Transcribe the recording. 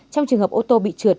trong trường hợp ô tô bị trượt